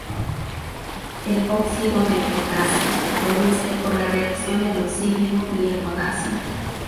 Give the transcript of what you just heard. El óxido de potasio se produce por la reacción del oxígeno y el potasio.